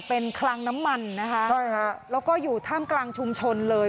เป็นคลังน้ำมันนะคะใช่ฮะแล้วก็อยู่ท่ามกลางชุมชนเลย